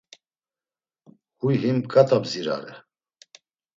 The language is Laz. Huy him ǩata bzirare.